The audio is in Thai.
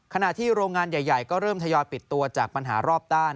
ขณะที่โรงงานใหญ่ก็เริ่มทยอยปิดตัวจากปัญหารอบด้าน